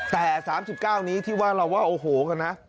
แต่สามสิบเก้านี้ที่ว่าเราว่าโอ้โฮกันนะ